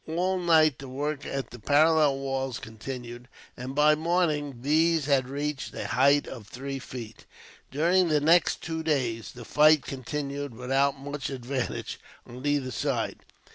All night the work at the parallel walls continued, and by morning these had reached a height of three feet. During the next two days the fight continued, without much advantage on either side.